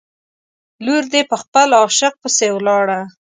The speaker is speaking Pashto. لور دې په خپل عاشق پسې ولاړه.